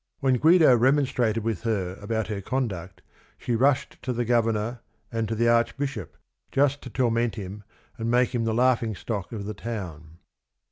When Guido remon strated with her about her conduct she rushed to the governor and to the archbishop, just to torment him and make him the laughing stock of the town.